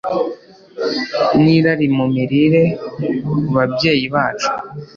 ni rari mu mirire. Ku babyeyi bacu